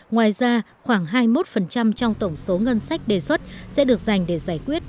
ngoài ra khoảng hai mươi một trong tổng số ngân sách đề xuất sẽ được dành để giải quyết